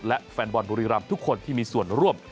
และแฟนบอลบุรีรำทุกคนที่มีส่วนร่วม